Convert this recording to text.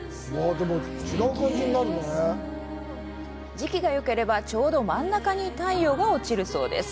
時期がよければちょうど真ん中に太陽が落ちるそうです。